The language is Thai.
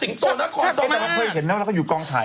พี่โชว์พอเคยเห็นเค้าอยู่กองถ่าย